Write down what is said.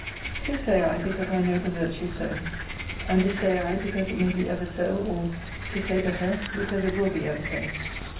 This say I because I know the virtue so; and this say I because it may be ever so, or, to say better, because it will be ever so.